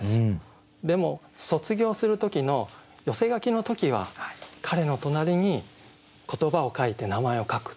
でも卒業する時の寄せ書きの時は彼の隣に言葉を書いて名前を書く。